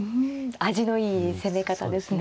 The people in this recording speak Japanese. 味のいい攻め方ですね。